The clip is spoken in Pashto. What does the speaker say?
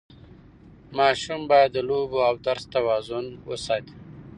ماشوم باید د لوبو او درس ترمنځ توازن وساتي.